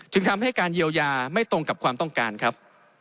ทำให้การเยียวยาไม่ตรงกับความต้องการครับ